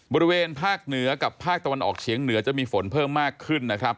บริเวณภาคเหนือกับภาคตะวันออกเฉียงเหนือจะมีฝนเพิ่มมากขึ้นนะครับ